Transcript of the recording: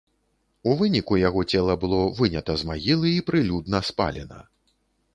У выніку яго цела было вынята з магілы і прылюдна спалена.